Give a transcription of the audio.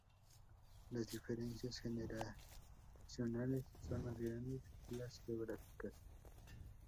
Las diferencias generacionales son más grandes que las geográficas.